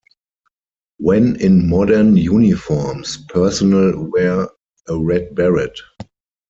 When in modern uniforms personnel wear a red beret.